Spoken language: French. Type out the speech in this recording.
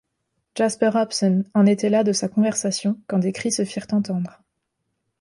Jasper Hobson en était là de sa conversation, quand des cris se firent entendre.